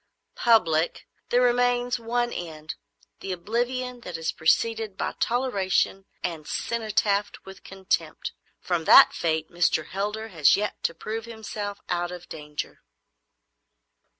"——"public, there remains but one end,—the oblivion that is preceded by toleration and cenotaphed with contempt. From that fate Mr. Heldar has yet to prove himself out of danger."